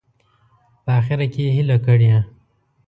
په اخره کې یې هیله کړې.